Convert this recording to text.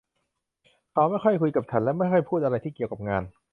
เขาไม่ค่อยคุยกับฉันและไม่ค่อยพูดอะไรที่เกี่ยวกับงาน